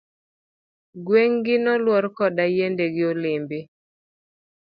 Gweng' gi noluor koda yiende gi olembe.